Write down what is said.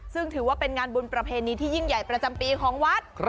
ซึ่งถือว่าเป็นงานบุญประเพณีที่ยิ่งใหญ่ประจำปีของวัด